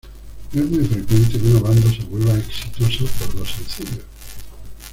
No es muy frecuente que una banda se vuelva exitosa por dos sencillos.